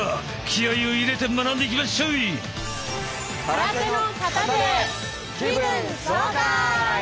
気合いを入れて学んでいきまっしょい！